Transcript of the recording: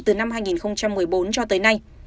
từ năm hai nghìn một mươi bốn cho tới nay